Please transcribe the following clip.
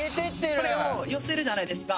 これを寄せるじゃないですか。